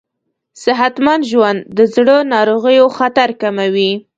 صحتمند ژوند د زړه ناروغیو خطر کموي.